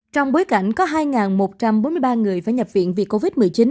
trong bối cảnh có hai một trăm bốn mươi ba người phải nhập viện vì covid một mươi chín